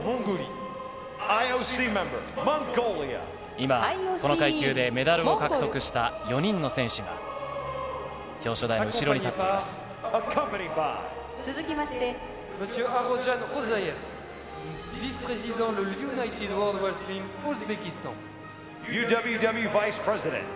今、この階級でメダルを獲得した４人の選手が、表彰台の後ろに立っています。